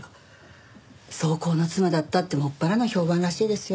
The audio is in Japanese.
糟糠の妻だったって専らの評判らしいですよ。